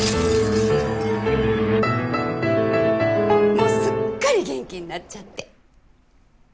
もうすっかり元気になっちゃって。